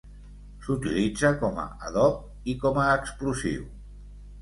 S'utilitza com a adob i com a explosiu.